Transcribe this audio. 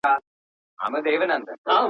ګواکي ټول دي د مرګي خولې ته سپارلي.